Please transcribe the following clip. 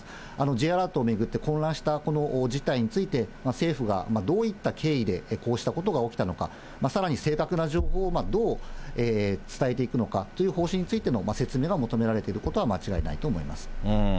Ｊアラートを巡って混乱したこの事態について、政府がどういった経緯でこうしたことが起きたのか、さらに正確な情報をどう伝えていくのかという方針についての説明が求められていることは間違いないと思います。